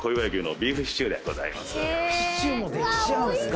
ビーフシチューもできちゃうんすか。